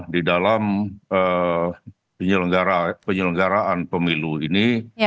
di dalam penyelenggaraan pemilu ini